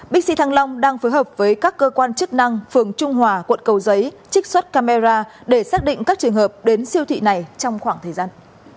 bixi thăng long đang phối hợp với các cơ quan chức năng phường trung hòa quận cầu giấy trích xuất camera để xác định các trường hợp đến siêu thị này trong khoảng thời gian